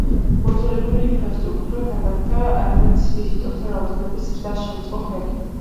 მოძველებული ინფრასტრუქტურა განახლდა, რამაც ვიზიტორთა რაოდენობის ზრდას შეუწყო ხელი.